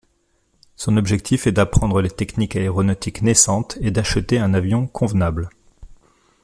Son objectif est d'apprendre les techniques aéronautiques naissantes et d'acheter un avion convenable.